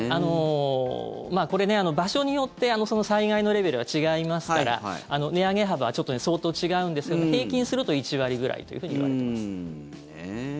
これ、場所によって災害のレベルは違いますから値上げ幅はちょっとね、相当違うんですけど平均すると１割ぐらいといわれています。